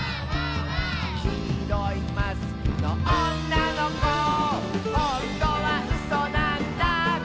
「きいろいマスクのおんなのこ」「ほんとはうそなんだ」